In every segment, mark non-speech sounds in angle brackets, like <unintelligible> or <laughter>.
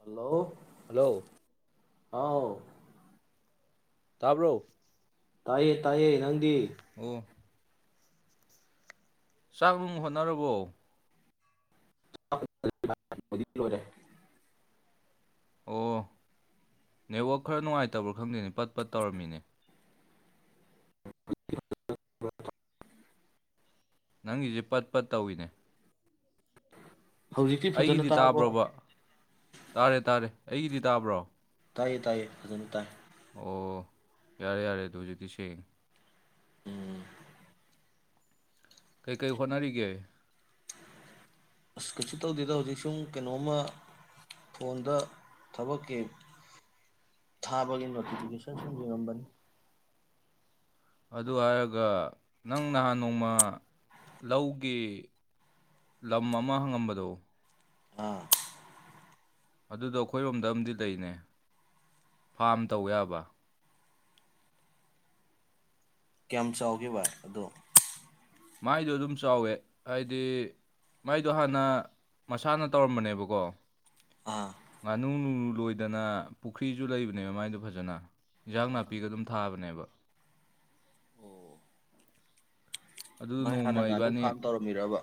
hello hello ꯍꯥꯎ ꯇꯥꯕ꯭ꯔꯣ ꯇꯥꯌꯦ ꯇꯥꯏꯌꯦ ꯅꯪꯗꯤ ꯑꯣ ꯆꯥꯛꯅꯨꯡꯕꯨ ꯍꯣꯠꯅꯔꯕꯣ <unintelligible> ꯂꯣꯢꯔꯦ ꯑꯣ ꯅꯦꯠꯋꯥꯛ ꯈꯔ ꯅꯨꯡꯉꯥꯏꯇꯕ꯭ꯔꯣ ꯈꯪꯗꯦꯅꯦ ꯄꯠ ꯄꯠ ꯇꯧꯔꯝꯃꯤꯅꯦ <inaudible> ꯅꯪꯒꯤꯁꯦ ꯄꯠ ꯄꯠ ꯇꯧꯏꯤꯅꯦ ꯍꯧꯖꯤꯛꯇꯤ ꯐꯖꯅ ꯑꯩꯒꯤꯗꯤ ꯇꯥꯔꯕꯣ ꯇꯥꯕ꯭ꯔꯣꯕ ꯇꯥꯔꯦ ꯇꯥꯔꯦ ꯑꯩꯒꯤꯗꯤ ꯇꯥꯕ꯭ꯔꯣ ꯇꯥꯏꯌꯦ ꯇꯥꯏꯌꯦ ꯐꯖꯅ ꯇꯥꯏ ꯑꯣ ꯌꯥꯔꯦ ꯌꯥꯔꯦ ꯑꯗꯨ ꯍꯧꯖꯤꯛꯇꯤ ꯁꯦꯡꯉꯦ ꯎꯝ ꯀꯩꯀꯩ ꯍꯣꯠꯅꯔꯤꯒꯦ ꯑꯁ ꯀꯩꯁꯨ ꯇꯧꯗꯦꯗ ꯍꯧꯖꯤꯛ ꯁꯨꯝ ꯀꯩꯅꯣꯝꯃ ꯐꯣꯟꯗ ꯊꯕꯛꯀꯤ ꯊꯥꯕꯒꯤ ꯅꯣꯇꯤꯐꯤꯀꯦꯁꯟ ꯁꯨꯝ ꯌꯦꯡꯉꯝꯕꯅꯤ ꯑꯗꯨ ꯍꯥꯏꯔꯒ ꯅꯪ ꯅꯍꯥꯟ ꯅꯣꯡꯃ ꯂꯧꯒꯤ ꯂꯝ ꯑꯃ ꯍꯪꯉꯝꯕꯗꯣ ꯑꯥ ꯑꯗꯨꯗꯣ ꯑꯩꯈꯣꯏꯔꯣꯝꯗ ꯑꯝꯗꯤ ꯂꯩꯅꯦ ꯐꯥꯔꯝ ꯇꯧ ꯌꯥꯕ ꯀꯌꯥꯝ ꯆꯥꯎꯒꯦꯕ ꯑꯗꯣ ꯃꯥꯏꯗꯣ ꯑꯗꯨꯝ ꯆꯥꯎꯋꯦ ꯍꯥꯏꯗꯤ ꯃꯥꯏꯗꯣ ꯍꯥꯟꯅ ꯃꯁꯥꯅ ꯇꯧꯔꯝꯕꯅꯦꯕꯀꯣ ꯑꯥ ꯉꯅꯨꯅꯨꯔ ꯂꯣꯏꯗꯅ ꯄꯨꯈ꯭ꯔꯤꯁꯨ ꯂꯩꯕꯅꯦꯕ ꯃꯥꯏꯗꯣ ꯐꯖꯅ ꯏꯟꯖꯥꯡ ꯅꯥꯄꯤꯒ ꯑꯗꯨꯝ ꯊꯥꯕꯅꯦꯕ ꯑꯣ ꯑꯗꯨꯗꯣ ꯃꯥꯏ ꯍꯥꯟꯅ ꯅꯣꯡꯃ ꯉꯥꯅꯨ ꯐꯥꯝ ꯇꯧꯔꯝꯃꯤꯔꯕ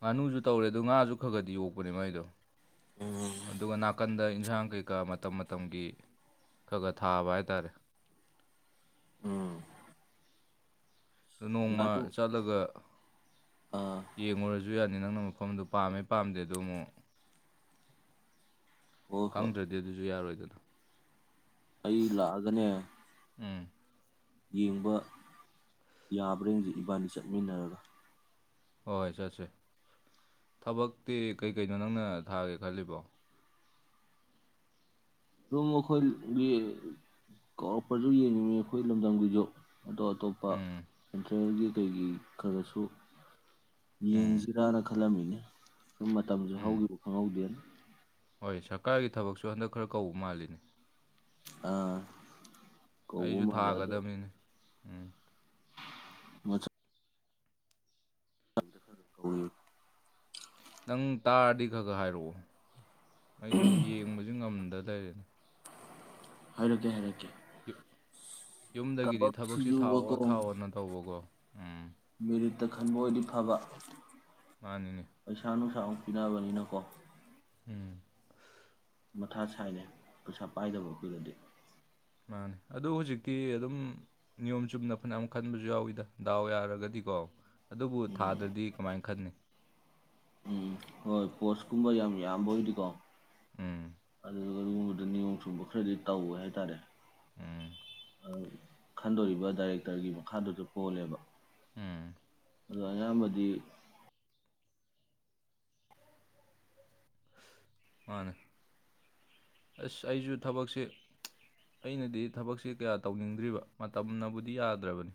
ꯉꯥꯅꯨꯖꯨ ꯇꯧꯔꯦ ꯑꯗꯣ ꯉꯥꯖꯨ ꯈꯒꯗꯤ ꯌꯣꯛꯄꯅꯦ ꯃꯥꯏꯗꯣ ꯑꯗꯨꯒ ꯅꯥꯀꯟꯗ ꯑꯩꯅ ꯑꯦꯟꯖꯥꯡ ꯀꯩꯀꯥ ꯃꯇꯝ ꯃꯇꯝꯒꯤ ꯈꯒ ꯊꯥꯕ ꯍꯥꯏꯇꯥꯔꯦ ꯎꯝ ꯑꯗ ꯅꯣꯡꯃ ꯉꯥꯅꯨ ꯆꯠꯂꯒ ꯑꯥ ꯌꯦꯡꯉꯨꯔ ꯨ ꯗꯨꯌꯥꯅꯤ ꯅꯪꯅ ꯃꯐꯝꯗꯣ ꯄꯥꯝꯃꯦ ꯄꯥꯝꯗꯦ ꯗꯣ ꯃꯨꯛ ꯍꯣꯏ ꯍꯣꯏ ꯈꯪꯗ꯭ꯔꯗꯤ ꯑꯗꯨꯖꯨ ꯌꯥꯔꯣꯏ ꯆꯂꯣ ꯑꯩ ꯂꯥꯛꯑꯒꯅꯦ ꯎꯝ ꯌꯦꯡꯕ ꯌꯥꯕ꯭ꯔ ꯌꯦꯡꯖꯦ ꯏꯕꯥꯅꯤ ꯆꯠꯃꯤꯟꯅꯔꯒ ꯍꯣꯏ ꯆꯠꯁꯦ ꯊꯕꯛꯇꯤ ꯀꯩꯀꯩꯅꯣ ꯅꯪꯅ ꯊꯥꯒꯦ ꯈꯜꯂꯤꯕꯣ ꯑꯗꯨꯝ ꯑꯈꯣꯏꯒꯤ ꯀꯧꯔꯛꯄꯖꯨ ꯌꯦꯡꯅꯤꯡꯉꯤ ꯑꯩꯈꯣꯏ ꯂꯝꯗꯝꯒꯤꯖꯨ ꯑꯇꯣ ꯑꯇꯣꯞꯄ ꯎꯝ ꯁꯦꯟꯇ꯭ꯔꯦꯜꯒꯤ ꯀꯩꯒꯤ ꯈꯔ ꯈꯔꯁꯨ ꯎꯝ ꯌꯦꯡꯁꯤꯔꯥꯅ ꯈꯜꯂꯝꯃꯤꯅꯦ <inaudible> ꯁꯨꯝ ꯃꯇꯝꯖꯨ ꯎꯝ ꯍꯧꯈꯤꯕ ꯈꯪꯍꯧꯗꯦꯅꯦ ꯍꯣꯏ ꯁꯔꯀꯥꯔꯒꯤ ꯊꯕꯛꯁꯨ ꯍꯟꯗꯛ ꯈꯔ ꯀꯧꯕ ꯃꯥꯜꯂꯤꯅꯦ ꯑꯥ ꯀꯧꯕ ꯑꯩꯁꯨ ꯃꯥꯂꯦ ꯑꯗꯣ ꯊꯥꯒꯗꯕꯅꯤꯅꯦ ꯎꯝ ꯃꯆꯥ <unintelligible> ꯅꯪ ꯇꯥꯔꯗꯤ ꯈꯒ ꯍꯥꯏꯔꯛꯑꯣ ꯑꯩꯖꯨ ꯌꯦꯡꯕꯖꯦ ꯉꯝꯗ ꯂꯩꯔꯤꯅꯤ ꯍꯥꯏꯔꯛꯀꯦ ꯍꯥꯏꯔꯛꯀꯦ <inaudible> ꯌꯨꯝꯗꯒꯤꯗꯤ ꯀꯕꯛ ꯊꯕꯛꯁꯤ ꯊꯥꯑꯣ ꯁꯤꯡꯖꯨꯕꯀꯣ ꯊꯥꯑꯣꯅ ꯇꯧꯕꯀꯣ ꯎꯝ ꯔꯤꯠꯇ ꯈꯟꯕ ꯑꯣꯏꯗꯤ ꯐꯕ ꯃꯥꯅꯤꯅꯦ ꯄꯩꯁꯥ ꯅꯨꯡꯁꯥ ꯑꯃꯨꯛ ꯄꯤꯅꯕꯅꯤꯅꯀꯣ ꯎꯝ ꯃꯊꯥ ꯁꯥꯏꯅꯦ ꯄꯩꯁꯥ ꯄꯥꯏꯗꯕ ꯑꯈꯣꯏꯗꯗꯤ ꯃꯥꯅꯦ ꯑꯗꯨ ꯍꯧꯖꯤꯛꯇꯤ ꯑꯗꯨꯝ ꯅꯤꯌꯣꯝ ꯆꯨꯝꯅ ꯐꯅꯌꯥꯝ ꯈꯟꯕꯖꯨ ꯌꯥꯎꯋꯤꯗ ꯗꯥꯎ ꯌꯥꯔꯒꯗꯤꯀꯣ ꯑꯗꯨꯕꯨ ꯊꯥꯗ꯭ꯔꯗꯤ ꯀꯃꯥꯏ ꯈꯟꯅꯤ ꯎꯝ ꯍꯣꯏ ꯄꯣꯁꯀꯨꯝꯕ ꯌꯥꯝ ꯌꯥꯝꯕ ꯑꯣꯏꯗꯤꯀꯣ ꯎꯝ ꯑꯗꯨꯒ ꯑꯗꯨꯒꯨꯝꯕꯗ ꯅꯤꯌꯣꯝ ꯆꯨꯝꯕ ꯈꯔꯗꯤ ꯇꯧꯋꯦ ꯍꯥꯏꯇꯥꯔꯦ ꯎꯝ ꯈꯟꯗꯣꯔꯤꯕ ꯗꯥꯏꯔꯦꯛꯇꯔꯒꯤ ꯃꯈꯥꯗꯁꯨ ꯄꯣꯜꯂꯦꯕ ꯎꯝ ꯑꯗꯣ ꯑꯌꯥꯝꯕꯗꯤ ꯃꯥꯅꯦ ꯑꯁ ꯑꯩꯁꯨ ꯊꯕꯛꯁꯦ ꯑꯩꯅꯗꯤ ꯊꯕꯛꯁꯦ ꯀꯌꯥ ꯇꯧꯅꯤꯡꯗ꯭ꯔꯤꯕ ꯃꯇꯝꯅꯕꯨꯗꯤ ꯌꯥꯗ꯭ꯔꯕꯅꯤ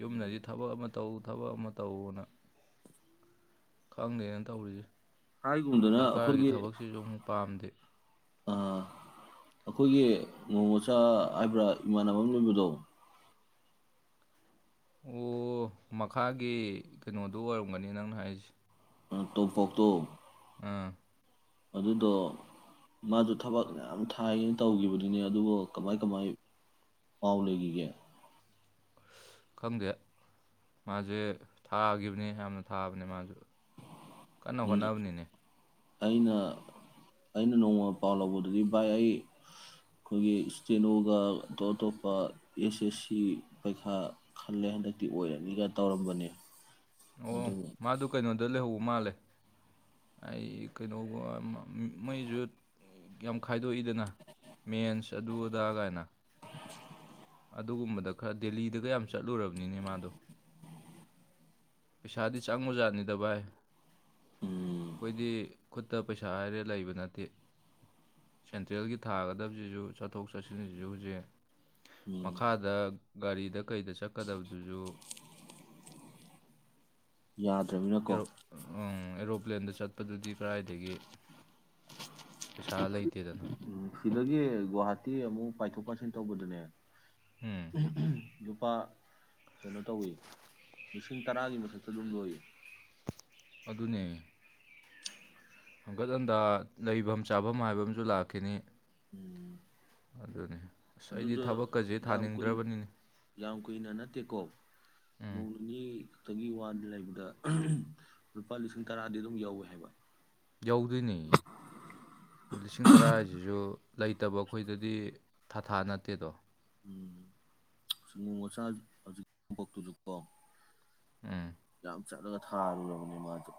ꯌꯨꯝꯅꯗꯤ ꯊꯕꯛ ꯑꯃ ꯇꯧ ꯊꯕꯛ ꯑꯃ ꯇꯧꯅ ꯈꯪꯗꯦꯅ ꯇꯧꯔꯤꯁꯦ ꯍꯥꯏꯒꯨꯝꯗꯅ ꯁꯔꯀꯥꯔꯒꯤ ꯑꯈꯣꯢꯒꯤ ꯊꯕꯛꯁꯤꯁꯨ ꯑꯃꯨꯛ ꯄꯥꯝꯗꯦ ꯑꯩꯈꯣꯏꯒꯤ ꯉꯣꯉꯣꯆꯥ ꯍꯥꯏꯕ꯭ꯔꯥ ꯏꯃꯥꯟꯅꯕ ꯑꯃ ꯂꯩꯕꯗꯣ ꯑꯣ ꯃꯈꯥꯒꯤ ꯀꯩꯅꯣꯗꯨ ꯑꯣꯏꯔꯝꯒꯅꯤ ꯅꯪꯅ ꯍꯥꯏꯁꯦ ꯇꯣꯝꯄꯣꯛꯇꯣ ꯑꯥ ꯑꯗꯨꯗꯣ ꯃꯥꯁꯨ ꯊꯕꯛ ꯃꯌꯥꯝ ꯊꯥꯏꯌꯦꯅ ꯇꯧꯈꯤꯕꯗꯨꯅꯦ ꯑꯗꯨꯕꯨ ꯀꯃꯥꯏ ꯀꯃꯥꯏ ꯄꯥꯎ ꯂꯩꯈꯤꯒꯦ ꯈꯪꯗꯦ ꯃꯥꯁꯦ ꯊꯥꯒꯤꯕꯅꯤ ꯌꯥꯝꯅ ꯊꯥꯕꯅꯦ ꯃꯥꯁꯨ ꯀꯟꯅ ꯎꯝ ꯍꯣꯠꯅꯕꯅꯤꯅꯦ ꯑꯩꯅ ꯑꯩꯅ ꯅꯣꯡꯃ ꯄꯥꯎ ꯂꯧꯕꯗꯗꯤ ꯚꯥꯏ ꯑꯩ ꯑꯩꯈꯣꯏꯒꯤ ꯏꯁꯇꯦꯂꯣꯒ ꯑꯇꯣꯞ ꯑꯇꯣꯞꯄ ꯑꯦꯁ ꯑꯦꯁ ꯁꯤ ꯄꯩꯈꯥ ꯈꯜꯂꯦ ꯍꯟꯗꯛꯇꯤ ꯑꯣꯏꯔꯅꯤꯒ ꯇꯧꯔꯝꯕꯅꯤ ꯑꯣ ꯃꯥꯗꯣ ꯀꯩꯅꯣꯗ ꯂꯩꯍꯧ ꯃꯥꯜꯂꯦ ꯑꯩ ꯀꯩꯅꯣꯒ ꯃꯩꯁꯨ ꯌꯥꯝ ꯈꯥꯏꯗꯣꯛꯏꯗꯅ ꯃꯦꯟꯁ ꯑꯗꯨ ꯑꯗꯥ ꯀꯥꯏꯅ ꯑꯗꯨꯒꯨꯝꯕꯗ ꯈꯔ ꯗꯦꯜꯂꯤꯗꯒ ꯌꯥꯝ ꯆꯠꯂꯨꯔꯕꯅꯤꯅꯦ ꯃꯥꯗꯣ ꯄꯩꯁꯥꯗꯤ ꯆꯪꯕꯖꯥꯠꯅꯤꯗ ꯚꯥꯏ ꯎꯝ ꯑꯩꯗꯤ ꯈꯨꯠꯇ ꯄꯩꯁꯥ ꯍꯥꯏꯔꯦ ꯂꯩꯕ ꯅꯠꯇꯦ ꯁꯦꯟꯇ꯭ꯔꯦꯜꯒꯤ ꯊꯥꯒꯗꯕꯁꯤꯁꯨ ꯆꯠꯊꯣꯛ ꯆꯠꯁꯤꯟꯁꯤꯁꯨ ꯍꯧꯖꯤꯛ ꯎꯝ ꯃꯈꯥꯗ ꯒꯥꯔꯤꯗ ꯀꯩꯗ ꯆꯠꯀꯗꯕꯗꯨꯁꯨ ꯌꯥꯗ꯭ꯔꯃꯤꯅꯀꯣ ꯑꯦꯔꯣ ꯑꯦꯔꯣ ꯄ꯭ꯂꯦꯟꯗ ꯆꯠꯄꯗꯏꯗꯤ ꯀꯗꯥꯏꯗꯒꯤ ꯄꯩꯁꯥ ꯂꯩꯇꯦꯗꯅ ꯁꯤꯗꯒꯤ ꯒꯨꯍꯥꯇꯤ ꯑꯃꯨꯛ ꯄꯥꯏꯊꯣꯛ ꯄꯥꯏꯁꯤꯟ ꯇꯧꯕꯗꯨꯅꯦ ꯎꯝ ꯂꯨꯄꯥ ꯀꯩꯅꯣ ꯇꯧꯋꯤ ꯂꯤꯁꯤꯡ ꯇꯔꯥꯒꯤ ꯃꯊꯛꯇ ꯑꯗꯨꯝ ꯂꯣꯏꯌꯦ ꯑꯗꯨꯅꯦ ꯍꯟꯀꯠ ꯍꯟꯗ ꯂꯩꯐꯝ ꯆꯥꯐꯝ ꯍꯥꯏꯕ ꯑꯃꯁꯨ ꯂꯥꯛꯈꯤꯅꯤ ꯑꯗꯨꯅꯤ ꯑꯁ ꯑꯩꯗꯤ ꯑꯗꯨꯗ ꯊꯕꯛꯀꯁꯦ ꯌꯥꯝ ꯀꯨ ꯊꯥꯅꯤꯡꯗ꯭ꯔꯕꯅꯤꯅꯦ ꯌꯥꯝ ꯀꯨꯏꯅ ꯅꯠꯇꯦꯀꯣ ꯎꯝ ꯅꯣꯡ ꯅꯤꯅꯤ ꯇꯒꯤ ꯋꯥ ꯂꯩꯕꯗ ꯂꯨꯄꯥ ꯂꯤꯁꯤꯡ ꯇꯔꯥꯗꯤ ꯑꯗꯨꯝ ꯌꯥꯎꯋꯦ ꯍꯥꯏꯕ ꯌꯧꯗꯣꯏꯅꯤ ꯂꯤꯁꯤꯡ ꯇꯔꯥ ꯍꯥꯏꯁꯤꯁꯨ ꯂꯩꯇꯕ ꯑꯩꯈꯣꯏꯗꯗꯤ ꯊꯥꯊꯥ ꯅꯠꯇꯦꯗꯣ ꯎꯝ ꯃꯣꯃꯣꯆꯥ ꯍꯧꯖꯤꯛ ꯊꯕꯛ ꯇꯨꯁꯨꯀꯣ ꯎꯝ ꯑꯗꯨ ꯆꯠꯂꯒ ꯊꯥꯔꯨꯔꯕꯅꯤ ꯃꯥꯁꯨ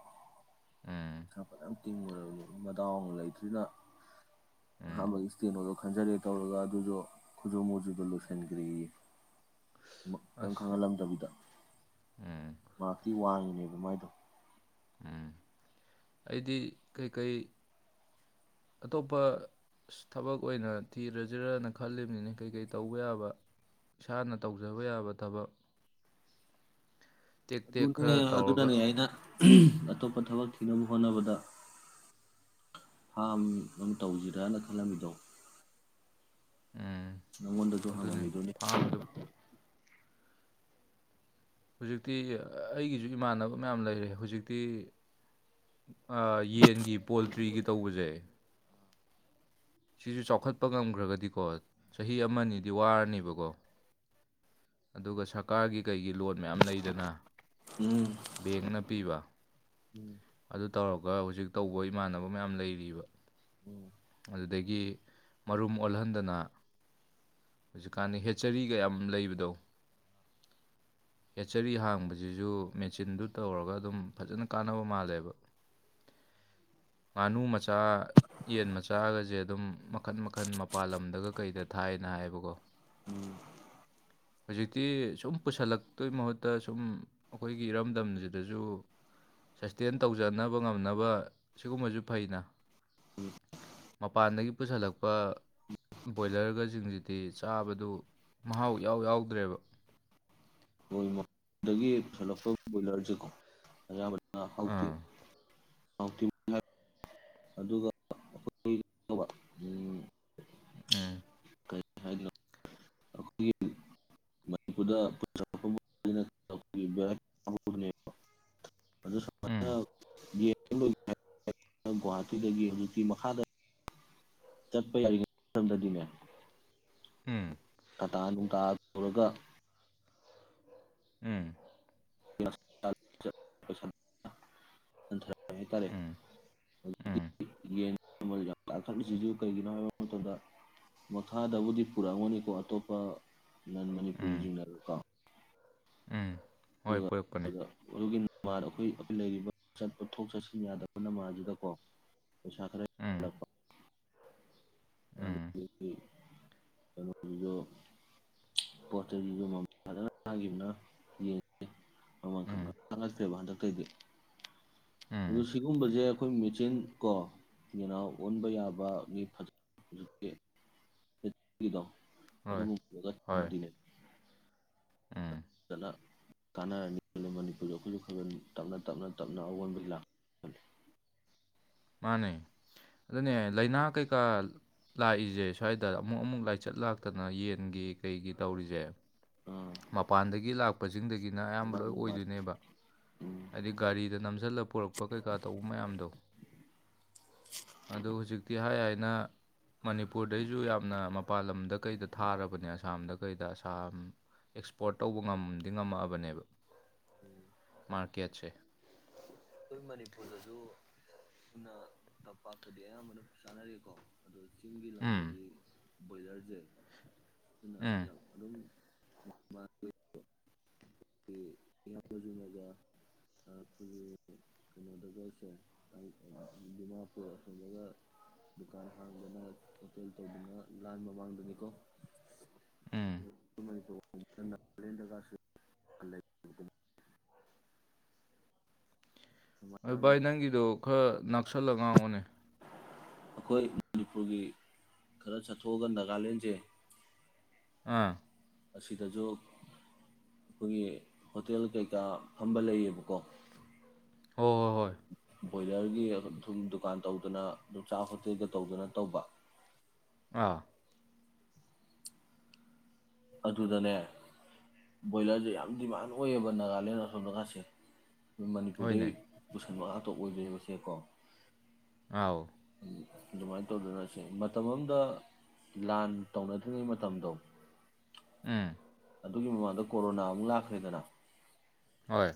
ꯎꯝ ꯄꯩꯥꯁ ꯐꯅꯌꯝ ꯇꯤꯡꯉꯨꯔꯝꯅꯤ ꯃꯗꯥꯎꯅ ꯂꯩꯇ꯭ꯔꯤꯅ ꯎꯝ ꯑꯍꯥꯟꯕꯒꯤ ꯏꯁꯇꯦ ꯅꯣ ꯈꯟꯖꯔꯦ ꯇꯧꯔꯒ ꯑꯗꯨꯁꯨ ꯈꯨꯖꯨ ꯃꯨꯖꯨꯗ ꯂꯣꯏꯁꯤꯟꯈ꯭ꯔꯦꯌꯦ ꯃ ꯀ ꯑꯁ ꯈꯪꯍꯜꯂꯝꯗꯕꯤꯗ ꯎꯝ ꯃꯥꯔꯛꯇꯤ ꯋꯥꯡꯉꯤꯅꯦꯕ ꯃꯥꯏꯗꯣ ꯎꯝ ꯑꯩꯗꯤ ꯀꯩꯀꯩ ꯑꯇꯣꯞꯄ ꯊꯕꯛ ꯑꯣꯏꯅ ꯊꯤꯔꯖꯤꯔꯅ ꯈꯜꯂꯤꯕꯅꯤꯅꯦ ꯀꯩꯀꯩ ꯇꯧꯕ ꯌꯥꯕ ꯏꯁꯥꯅ ꯇꯧꯖꯕ ꯌꯥꯕ ꯊꯕꯛ ꯇꯦꯛ ꯇꯦꯛ ꯑꯗꯨꯅꯦ ꯈꯔ ꯇꯧꯔꯒ ꯑꯗꯨꯅꯅꯦ ꯑꯩꯅ ꯑꯇꯣꯞꯄ ꯊꯕꯛ ꯊꯤꯅꯕ ꯍꯣꯠꯅꯕꯗ ꯐꯥꯝ ꯑꯃ ꯇꯧꯖꯤꯔꯅ ꯈꯜꯂꯝꯃꯤꯗꯣ ꯎꯝ ꯅꯪꯉꯣꯟꯗꯖꯨ ꯑꯗꯨꯅꯤ ꯍꯪꯉꯝꯃꯤꯗꯨꯅꯤ ꯐꯥꯝꯗꯨ ꯍꯧꯖꯤꯛꯇꯤ ꯑꯩꯒꯤꯖꯨ ꯏꯃꯥꯟꯅꯕ ꯃꯌꯥꯝ ꯂꯩꯔꯦ ꯍꯧꯖꯤꯛꯇꯤ ꯑ ꯌꯦꯟꯒꯤ ꯄꯣꯜꯇ꯭ꯔꯤꯒꯤ ꯇꯧꯕꯖꯦ ꯁꯤꯖꯨ ꯆꯥꯎꯈꯠꯄ ꯉꯝꯒ꯭ꯔꯒꯗꯤꯀꯣ ꯆꯍꯤ ꯑꯃꯅꯤꯗꯤ ꯋꯥꯔꯅꯦꯕꯀꯣ ꯑꯗꯨꯒ ꯁꯔꯀꯥꯔꯒꯤ ꯀꯩꯒꯤ ꯂꯣꯟ ꯃꯌꯥꯝ ꯂꯩꯗꯅ ꯎꯝ ꯕꯦꯛꯅ ꯄꯤꯕ ꯎꯝ ꯑꯗꯨ ꯇꯧꯔꯒ ꯍꯧꯖꯤꯛ ꯇꯧꯕ ꯏꯃꯥꯟꯅꯕ ꯃꯌꯥꯝ ꯂꯩꯔꯤꯕ ꯑꯗꯨꯗꯒꯤ ꯃꯔꯨꯝ ꯑꯣꯜꯍꯟꯗꯅ ꯍꯧꯖꯤꯛꯀꯥꯟꯗ ꯍꯦꯠꯆꯔꯤꯒꯌꯥꯝ ꯂꯩꯕꯗꯣ ꯍꯦꯠꯆꯔꯤ ꯍꯥꯡꯕꯖꯤꯖꯨ ꯃꯦꯆꯤꯟꯗꯨ ꯇꯧꯔꯒ ꯑꯗꯨꯝ ꯐꯖꯅ ꯀꯥꯟꯅꯕ ꯃꯥꯜꯂꯦꯕ ꯉꯥꯅꯨ ꯃꯆꯥ ꯌꯦꯟ ꯃꯆꯥꯒꯖꯦ ꯑꯗꯨꯝ ꯃꯈꯟ ꯃꯈꯟ ꯃꯄꯥꯥꯟ ꯂꯝꯗꯒ ꯀꯩꯗ ꯊꯥꯏꯅ ꯍꯥꯏꯌꯦꯕꯀꯣ ꯎꯝ ꯍꯧꯖꯤꯛꯇꯤ ꯁꯨꯝ ꯄꯨꯁꯜꯂꯛ ꯇꯨꯏ ꯃꯍꯨꯠꯇ ꯁꯨꯝ ꯑꯩꯈꯣꯏꯒꯤ ꯏꯠꯙꯔꯝꯗꯝꯖꯤꯗꯖꯨ ꯁꯁꯇꯦꯟ ꯇꯧꯖꯅꯕ ꯉꯝꯅꯕ ꯁꯤꯒꯨꯝꯕꯖꯨ ꯐꯩꯅ ꯑꯝ ꯃꯄꯥꯟꯗꯒꯤ ꯄꯨꯁꯜꯂꯛꯄ ꯕꯣꯏꯂꯔꯒꯖꯤꯡꯖꯤꯗꯤ ꯆꯥꯕꯗꯨ ꯃꯍꯥꯎ ꯏꯌꯥꯎ ꯌꯥꯎꯗ꯭ꯔꯦꯕ ꯂꯝꯗꯒꯤ ꯄꯨꯁꯤꯜꯂꯛꯄ ꯕꯣꯏꯂꯔꯖꯦꯀꯣ ꯑꯌꯥꯝꯕ ꯑ ꯍꯧꯗꯦ ꯑꯥ <unintelligible> ꯑꯗꯨꯒ ꯑꯩꯈꯣꯏ <unintelligible> ꯑꯝ ꯀꯔꯤ ꯍꯥꯏꯅꯣ ꯑꯈꯣꯏꯒꯤ ꯃꯅꯤꯄꯨꯔꯗ <unintelligible> ꯑꯗꯨ ꯎꯝ <unintelligible> <unintelligible> ꯒꯨꯍꯥꯇꯤꯗꯒꯤ ꯍꯧꯖꯤꯛꯇꯤ ꯃꯈꯥꯗ ꯆꯠꯄ ꯌꯥꯔꯤꯉꯩ ꯃꯇꯝꯗꯗꯤꯅꯦ ꯎꯝ ꯇꯇꯥ ꯅꯨꯡꯇꯥ ꯄꯨꯔꯒ ꯎꯝ <unintelligible> ꯀꯩ ꯍꯥꯏꯇꯥꯔꯦ ꯎꯝ ꯍꯧꯖꯤꯛꯇꯤ ꯎꯝ ꯌꯦꯟ ꯃꯃꯜ ꯌꯥꯝ ꯇꯥꯡꯈꯠꯂꯤꯁꯤꯖꯨ ꯀꯩꯒꯤꯅꯣ ꯍꯥꯏꯕ ꯃꯇꯝꯗ ꯃꯈꯥꯗꯕꯨꯗꯤ ꯄꯨꯔꯛꯑꯝꯒꯅꯤꯀꯣ ꯑꯇꯣꯞꯄ ꯅꯟ ꯎꯝ ꯃꯅꯤꯄꯨꯔꯤꯖꯤꯡꯅ ꯀꯣ ꯎꯝ ꯍꯣꯏ ꯄꯨꯔꯛꯄꯅꯦ ꯃꯥꯗꯣ ꯑꯩꯈꯣꯏ ꯂꯩꯔꯤꯕ ꯆꯠ ꯄꯣꯠꯊꯣꯛ ꯆꯠꯁꯤꯟ ꯌꯥꯗꯕꯅ ꯅꯃꯥꯗꯨꯗꯀꯣ ꯄꯩꯁꯥ ꯈꯔ ꯎꯝ ꯎꯝ <unintelligible> ꯀꯩꯅꯣꯗꯨꯖꯨ ꯄꯣꯠ ꯆꯩꯗꯨꯖꯨ ꯃꯃꯜ ꯐꯖꯅ ꯇꯥꯡꯒꯤꯕꯅ ꯌꯦꯟꯖꯦ ꯃꯃꯟ ꯈꯪꯇꯥ ꯎꯝ ꯇꯥꯡꯈꯠꯈ꯭ꯔꯦꯕ ꯍꯟꯗꯛ ꯇꯩꯗꯤ ꯑꯗꯨ ꯎꯝ ꯁꯤꯒꯨꯝꯕꯖꯧ ꯑꯩꯈꯣꯏ ꯃꯦꯆꯤꯟ ꯀꯣ ꯌꯦꯅꯥꯎ ꯑꯣꯟꯕ ꯌꯥꯕ ꯃꯤ ꯐꯖ ꯗꯣ ꯍꯣꯏ ꯑꯗꯨꯒ ꯄꯨꯔꯒ ꯍꯣꯏ ꯆꯪꯉꯗꯤꯅꯦ ꯎꯝ ꯐꯖꯅ ꯀꯥꯟꯅꯔꯅꯤ ꯈꯜꯂꯤ ꯃꯅꯤꯄꯨꯔꯗ ꯑꯩꯈꯣꯏꯁꯨ ꯈꯒ ꯇꯞꯅ ꯇꯞꯅ ꯇꯞꯅ ꯑꯑꯣꯟꯕ ꯂꯥꯛꯅꯤ ꯈꯜꯂꯤ ꯃꯥꯅꯦ ꯑꯗꯨꯅꯦ ꯂꯥꯏꯅꯥ ꯀꯩꯀꯥ ꯂꯥꯛꯏꯁꯦ ꯁ꯭ꯋꯥꯏꯗ ꯑꯃꯨꯛ ꯑꯃꯨꯛ ꯂꯥꯏꯆꯠ ꯂꯥꯛꯇꯅ ꯌꯦꯟꯒꯤ ꯀꯩꯒꯤ ꯇꯧꯔꯤꯁꯦ ꯑꯥ ꯃꯄꯥꯟꯗꯒꯤ ꯂꯥꯛꯄꯁꯤꯡꯗꯒꯤꯅ ꯑꯌꯥꯝꯕ ꯂꯣꯏ ꯃꯥꯅꯦ ꯃꯥꯅꯦ ꯑꯣꯏꯗꯣꯏꯅꯦꯕ ꯎꯝ ꯍꯥꯏꯗꯤ ꯒꯥꯔꯤꯗ ꯅꯝꯁꯤꯜꯂꯒ ꯄꯨꯔꯛꯄ ꯀꯩꯀꯥ ꯇꯧꯕ ꯃꯌꯥꯝꯗꯣ ꯑꯗꯨ ꯍꯧꯖꯤꯛꯇꯤ ꯍꯥꯏ ꯍꯥꯏꯅ ꯃꯅꯤꯄꯨꯔꯗꯩꯁꯨ ꯌꯥꯝꯅ ꯃꯄꯥꯜ ꯂꯝꯗ ꯀꯩꯗ ꯊꯥꯔꯕꯅꯦ ꯑꯁꯥꯝꯗ ꯀꯩꯗ ꯑꯁꯥꯝ ꯑꯦꯛꯁꯄꯣꯔꯠ ꯇꯧꯕ ꯉꯝꯗꯤ ꯉꯝꯃꯛꯑꯕꯅꯦꯕ ꯎꯝ ꯃꯥꯔꯀꯦꯠꯁꯦ ꯑꯩꯈꯣꯏ ꯃꯅꯤꯄꯨꯔꯗꯁꯨ ꯁꯨꯟꯅ ꯇꯝꯄꯥꯛꯇꯗꯤ ꯑꯌꯥꯝꯕꯅ ꯆꯥꯅꯦꯔꯦꯀꯣ ꯑꯗꯨ ꯆꯤꯡꯒꯤ ꯎꯝ ꯂꯝꯗꯗꯤ ꯕꯣꯢꯂꯔꯖꯦ ꯎꯝ ꯑꯗꯨꯅ <unintelligible> ꯀꯩꯅꯣꯗꯁꯦ ꯗꯤꯃꯥꯄꯨꯔ ꯑꯁꯣꯝꯗꯅ ꯗꯨꯀꯥꯟ ꯍꯥꯡꯗꯅ ꯍꯣꯇꯦꯜ ꯇꯧꯗꯅ ꯂꯥꯟ ꯃꯃꯥꯡꯗꯅꯤꯀꯣ ꯎꯝ <unintelligible> <unintelligible> ꯁꯨꯃꯥꯏꯅ ꯑꯗꯨ ꯚꯥꯏ ꯅꯪꯒꯤꯗꯣ ꯈꯔ ꯅꯛꯁꯜꯂꯒ ꯉꯥꯡꯉꯣꯅꯦ ꯑꯩꯈꯣꯏ ꯃꯅꯤꯄꯨꯔꯒꯤ ꯈꯔ ꯆꯠꯊꯣꯛꯑꯒ ꯅꯥꯒꯥꯂꯦꯟꯁꯦ ꯑ ꯑꯁꯤꯗꯁꯨ ꯑꯩꯈꯣꯏꯒꯤ ꯍꯣꯇꯦꯜ ꯀꯩꯀꯥ ꯐꯝꯕ ꯂꯩꯌꯦꯕꯀꯣ ꯍꯣꯏ ꯍꯣꯏ ꯍꯣꯏ ꯕꯣꯏꯂꯔꯒꯤ ꯊꯨꯝ ꯗꯨꯀꯥꯟ ꯇꯧꯗꯅ ꯑꯗꯨ ꯆꯥꯛ ꯍꯣꯇꯦꯜꯒ ꯇꯧꯗꯅ ꯇꯧꯕ ꯑꯥ ꯑꯗꯨꯗꯅꯦ ꯕꯣꯏꯂꯔꯁꯦ ꯌꯥꯝ ꯗꯤꯃꯥꯟ ꯑꯣꯏꯌꯦꯕ ꯅꯥꯒꯥꯂꯦꯟ ꯑꯁꯣꯝꯗꯀꯥꯁꯦ ꯃꯅꯤꯄꯨꯔꯗꯩ ꯍꯣꯏꯅꯦ ꯄꯨꯁꯟꯕ ꯉꯥꯛ ꯑꯣꯏꯗꯔꯤꯕꯁꯦꯀꯣ ꯑꯥꯎ ꯑꯗꯨꯃꯥꯏꯅ ꯇꯧꯗꯅ ꯁꯤ ꯃꯇꯝ ꯑꯃꯗ ꯂꯥꯟ ꯇꯧꯅꯗ꯭ꯔꯤꯉꯩ ꯃꯇꯝꯗꯣ ꯎꯝ ꯑꯗꯨꯒꯤ ꯃꯃꯥꯡꯗ ꯀꯣꯔꯣꯅꯥ ꯑꯃꯨꯛ ꯂꯥꯛꯈ꯭ꯔꯦꯗꯅ ꯍꯣꯏ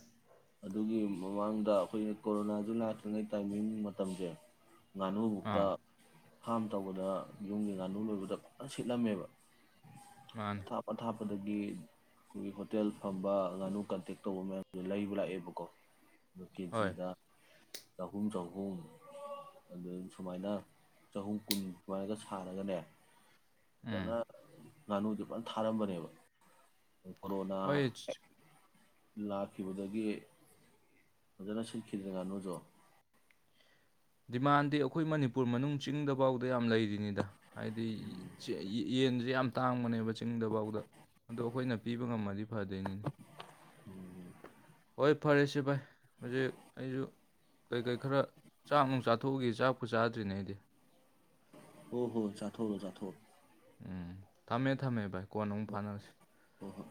ꯑꯗꯨꯒꯤ ꯃꯃꯥꯡꯗ ꯑꯩꯈꯣꯏꯅ ꯀꯣꯔꯣꯅꯥꯖꯨ ꯂꯥꯛꯇ꯭ꯔꯤꯉꯩ ꯇꯥꯏꯃꯤꯡ ꯃꯇꯝꯁꯦ ꯉꯅꯨ ꯕꯨꯛꯇ ꯑꯥ ꯐꯥꯝ ꯇꯧꯕꯗ ꯌꯨꯝꯒꯤ ꯉꯥꯅꯨ ꯂꯣꯏꯕꯗ ꯐꯖꯅ ꯁꯤꯠꯂꯝꯃꯦꯕ ꯃꯥꯅꯤ ꯊꯥꯄ ꯊꯥꯄꯕ ꯑꯗꯒꯤ ꯑꯩꯈꯣꯏꯒꯤ ꯍꯣꯇꯦꯜ ꯐꯝꯕ ꯉꯥꯅꯨ ꯀꯟꯇꯦꯛ ꯇꯧꯕ ꯃꯌꯥꯝꯗꯨ ꯂꯩ ꯂꯩꯕ ꯂꯥꯛꯑꯦꯕꯀꯣ ꯍꯣꯏ ꯀꯦꯖꯤꯗ ꯆꯍꯨꯝ ꯆꯍꯨꯝ ꯑꯗꯨ ꯁꯨꯃꯥꯏꯅ ꯆꯍꯨꯝ ꯀꯨꯟ ꯁꯨꯃꯥꯏꯅꯒ ꯁꯥꯔꯒꯅꯦ ꯑꯗꯥꯅ ꯎꯝ ꯉꯥꯅꯨꯗꯤ ꯐꯥꯖꯅ ꯊꯥꯔꯝꯕꯅꯦꯕ ꯀꯣꯔꯣꯅꯥ ꯍꯣꯏ ꯂꯥꯛꯈꯤꯕꯗꯒꯤ ꯐꯖꯅ ꯁꯤꯠꯈꯤꯗ꯭ꯔꯦ ꯉꯥꯅꯨꯖꯨ ꯗꯤꯃꯥꯟꯗꯤ ꯑꯩꯈꯣꯏ ꯃꯅꯤꯄꯨꯔ ꯃꯅꯨꯡ ꯆꯤꯡꯗꯐꯥꯎꯗ ꯌꯥꯝ ꯂꯩꯔꯤꯅꯤꯗ ꯍꯥꯏꯗꯤ ꯌꯦꯟꯁꯦ ꯌꯥꯝ ꯇꯥꯡꯕꯅꯦꯕ ꯆꯤꯡꯗꯐꯥꯎꯗ ꯑꯗꯣ ꯑꯩꯈꯣꯏꯅ ꯄꯤꯕ ꯉꯝꯃꯗꯤ ꯐꯗꯣꯏꯅꯤꯅꯦ ꯍꯣꯏ ꯐꯔꯦꯁꯦ ꯚꯥꯏ ꯍꯧꯖꯤꯛ ꯑꯩꯁꯨ ꯀꯩꯀꯩ ꯈꯔ ꯆꯥꯛ ꯅꯨꯡ ꯆꯥꯊꯣꯛꯎꯒꯦ ꯆꯥꯛꯄꯨ ꯆꯥꯗ꯭ꯔꯤꯅꯦ ꯑꯩꯗꯤ ꯑꯣ ꯍꯣ ꯆꯥꯊꯣꯛꯎꯔꯣ ꯆꯥꯊꯣꯛꯎꯔꯣ ꯎꯝ ꯊꯝꯃꯦ ꯊꯝꯃꯦ ꯚꯥꯏ ꯀꯣꯟꯅ ꯑꯃꯨꯛ ꯐꯥꯅꯔꯁꯤ ꯍꯣ ꯍꯣꯏ